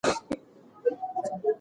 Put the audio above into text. دا د زړونو تر منځ یوه تلپاتې اړیکه وه.